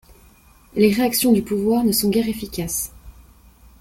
Les réactions du pouvoir ne sont guère efficaces.